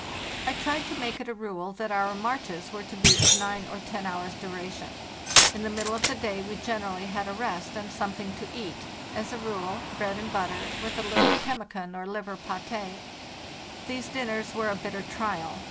I tried to make it a rule that our marches were to be of nine or ten hours' duration. In the middle of the day we generally had a rest and something to eat—as a rule, bread and butter, with a little pemmican or liver paté. These dinners were a bitter trial.